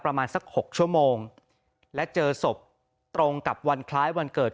ประมาณสัก๖ชั่วโมงและเจอศพตรงกับวันคล้ายวันเกิด